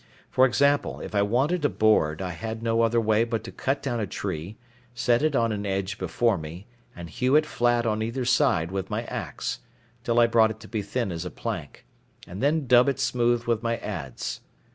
For example, if I wanted a board, I had no other way but to cut down a tree, set it on an edge before me, and hew it flat on either side with my axe, till I brought it to be thin as a plank, and then dub it smooth with my adze.